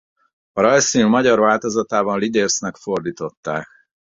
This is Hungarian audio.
A rajzfilm magyar változatában Lidércnek fordították.